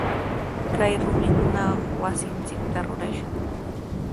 Kay rumikunawami wasinchikta rurashun.